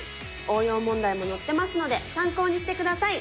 応用問題も載ってますので参考にして下さい。